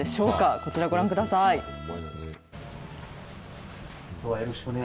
こちらご覧ください。